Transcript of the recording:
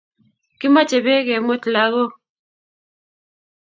Kimache peek ke mwet lakok